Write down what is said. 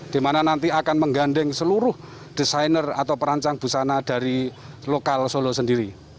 di mana nanti akan menggandeng seluruh desainer atau perancang busana dari lokal solo sendiri